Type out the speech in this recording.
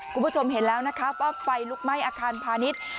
คุณผู้ชมเห็นแล้วนะครับว่าไฟลุกไหม้อาคารพาณิชย์